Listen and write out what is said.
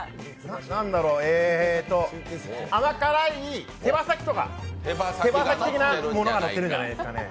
なんだろうえっと甘辛い手羽先的なものがのってるんじゃないですかね。